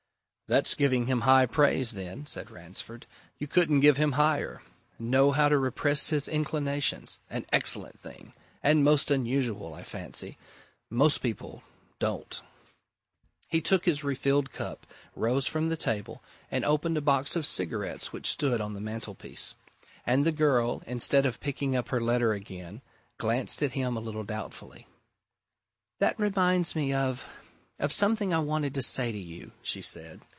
"That's giving him high praise, then," said Ransford. "You couldn't give him higher! Know how to repress his inclinations. An excellent thing and most unusual, I fancy. Most people don't!" He took his refilled cup, rose from the table, and opened a box of cigarettes which stood on the mantelpiece. And the girl, instead of picking up her letter again, glanced at him a little doubtfully. "That reminds me of of something I wanted to say to you," she said.